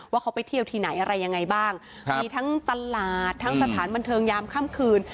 ว่าเขาไปเที่ยวที่ไหนอะไรยังไงบ้างมีทั้งตลาดทั้งสถานบันเทิงยามค่ำคืน